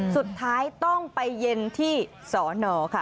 สุดท้ายต้องไปเย็นที่สอนอค่ะ